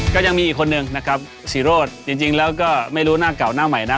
ก็ยังมีอีกคนนึงนะครับศรีโรธจริงแล้วก็ไม่รู้หน้าเก่าหน้าใหม่นะ